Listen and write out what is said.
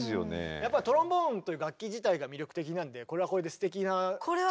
トロンボーンという楽器自体が魅力的なんでこれはこれですてきなところも。